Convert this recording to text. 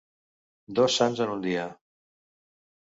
Dos sants en un dia.